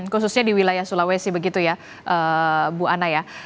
khususnya di wilayah sulawesi begitu ya bu anna ya